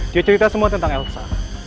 dia cerita semua tentang elsa